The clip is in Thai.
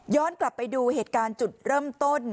กลับไปดูเหตุการณ์จุดเริ่มต้น